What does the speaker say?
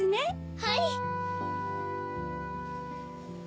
はい。